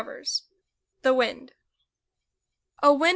52 THE WIND O, WIND